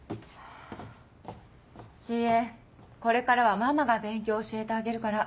知恵これからはママが勉強教えてあげるから。